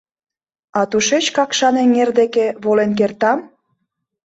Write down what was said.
— А тушеч Какшан эҥер дек волен кертам?